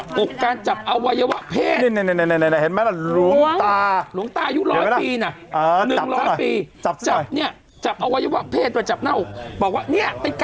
กรุกการจับอวัยวะเพศนี่